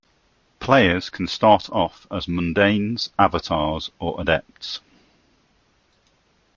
Players can start off as "mundanes", "Avatars", or "Adepts".